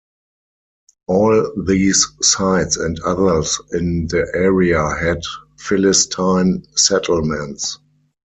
All these sites and others in the area had Philistine settlements.